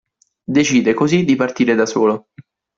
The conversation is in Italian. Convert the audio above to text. Decide, così, di partire da solo.